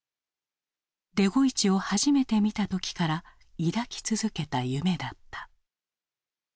デゴイチを初めて見た時から抱き続けた夢だった。